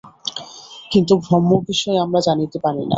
কিন্তু ব্রহ্ম-বিষয়ে আমরা জনিতে পারি না।